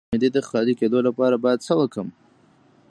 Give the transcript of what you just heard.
د معدې د خالي کیدو لپاره باید څه وکړم؟